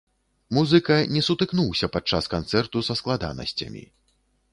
Музыка не сутыкнуўся падчас канцэрту са складанасцямі.